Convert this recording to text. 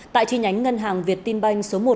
tại chi nhánh ngân hàng việt tin banh số một